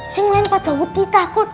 saya ngeliat pada wudhita kot